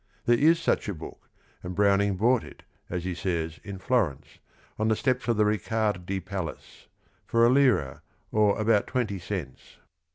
There is such a book, and Browning bought it, as he says, in Florence, on the steps of the Riccardi palace, for a lira, or about twenty cents.